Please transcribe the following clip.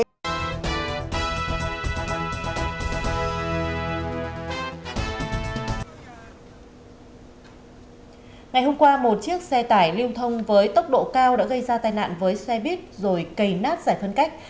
ngày hôm qua một chiếc xe tải lưu thông với tốc độ cao đã gây ra tai nạn với xe buýt rồi cầy nát giải phân cách